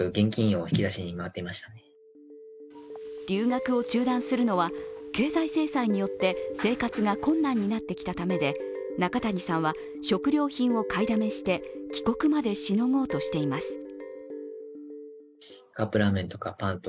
留学を中断するのは、経済制裁によって生活が困難になってきたためで中谷さんは、食料品を買いだめして帰国までしのごうとしています。